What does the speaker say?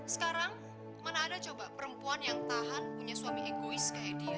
sekarang mana ada coba perempuan yang tahan punya suami egois kayak dia